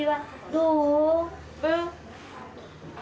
どう？